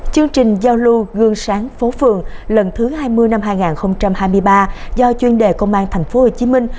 chương trình giao lưu gương sáng phố phường lần thứ hai mươi năm hai nghìn hai mươi ba do chuyên đề công an thành phố hồ chí minh